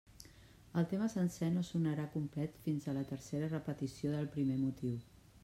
El tema sencer no sonarà complet fins a la tercera repetició del primer motiu.